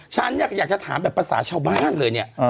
ฉันอยากจะถามแบบประสาชาวบ้านเลยเนี่ย